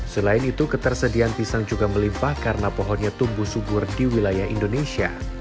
selain itu ketersediaan pisang juga melimpah karena pohonnya tumbuh subur di wilayah indonesia